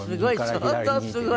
すごい。